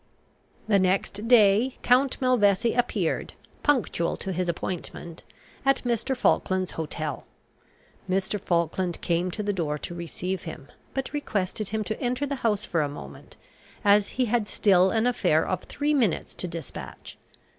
The next day Count Malvesi appeared, punctual to his appointment, at Mr. Falkland's hotel. Mr. Falkland came to the door to receive him, but requested him to enter the house for a moment, as he had still an affair of three minutes to despatch.